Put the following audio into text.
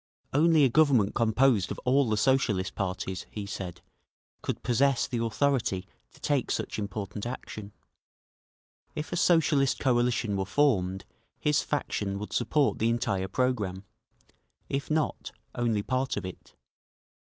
Only a Government composed of all the Socialist parties, he said, could possess the authority to take such important action. If a Socialist coalition were formed, his faction would support the entire programme; if not, only part of it.